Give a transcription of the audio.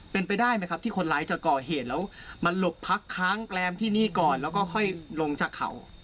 เป็นไปได้ไหมครับที่คนร้ายจะก่อเหตุแล้วมาหลบพักค้างแรมที่นี่ก่อนแล้วก็ห้อยลงจากเขา